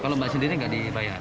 kalau mbak sendiri nggak dibayar